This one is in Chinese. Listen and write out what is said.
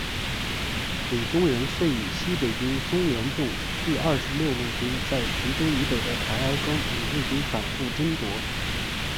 李宗仁遂以西北军孙连仲第二十六路军在徐州以北的台儿庄与日军反复争夺。